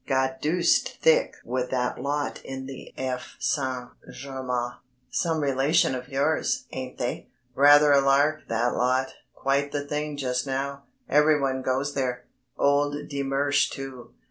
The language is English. Got deuced thick with that lot in the F. St. Germain some relation of yours, ain't they? Rather a lark that lot, quite the thing just now, everyone goes there; old de Mersch too.